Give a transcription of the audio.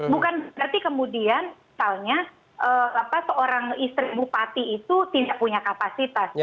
bukan berarti kemudian misalnya seorang istri bupati itu tidak punya kapasitas